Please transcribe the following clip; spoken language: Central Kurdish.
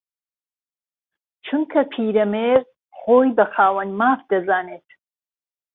چونکە پیرەمێرد خۆی بە خاوەن ماف دەزانێت